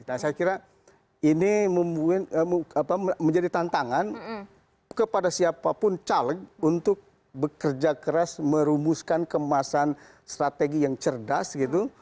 nah saya kira ini menjadi tantangan kepada siapapun caleg untuk bekerja keras merumuskan kemasan strategi yang cerdas gitu